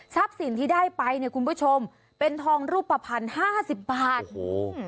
สินที่ได้ไปเนี่ยคุณผู้ชมเป็นทองรูปภัณฑ์ห้าสิบบาทโอ้โห